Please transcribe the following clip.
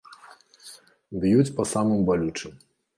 Б'юць па самым балючым.